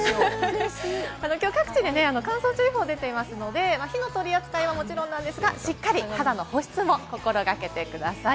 きょう、各地で乾燥注意報が出ていますので、火の取り扱いはもちろんなんですが、しっかり肌の保湿も心掛けてください。